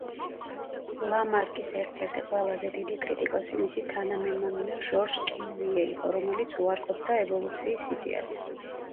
ლამარკის ერთ-ერთი ყველაზე დიდი კრიტიკოსი მისი თანამემამულე ჟორჟ კიუვიე იყო, რომელიც უარყოფდა ევოლუციის იდეას.